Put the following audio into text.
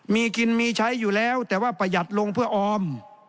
มีกินมีใช้อยู่แล้วแต่ว่าประหยัดลงเพื่อออม